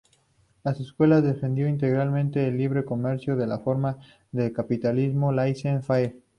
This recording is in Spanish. La escuela defendió íntegramente el libre comercio en la forma de capitalismo laissez faire.